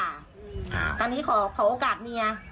อันนี้ขอโอกาสเมีย